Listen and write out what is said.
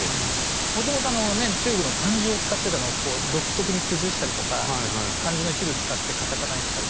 もともと中国の漢字を使ってたのを独特に崩したりとか漢字の一部使ってカタカナにしたり。